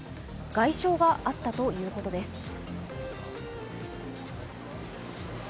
外傷があったということです。